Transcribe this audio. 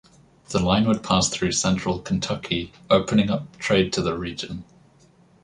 The line would pass through central Kentucky, opening up trade to the region.